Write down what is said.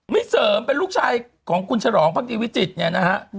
เสริมเป็นลูกชายของคุณฉลองพักดีวิจิตรเนี่ยนะฮะ